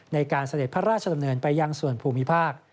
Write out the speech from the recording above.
ในการเสด็จพระราชธรรมเนินไปยั่งส่วนภูมิภาค